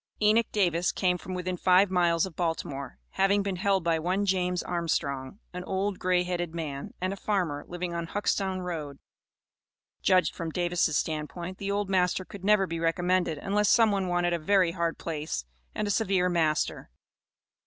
Enoch Davis came from within five miles of Baltimore, having been held by one James Armstrong, "an old grey headed man," and a farmer, living on Huxtown Road. Judged from Davis' stand point, the old master could never be recommended, unless some one wanted a very hard place and a severe master.